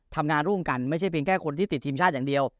ทำงานร่วมกันไม่ใช่เพียงแค่คนที่ติดทีมชาติอย่างเดียว